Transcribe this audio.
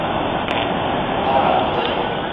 後龍溪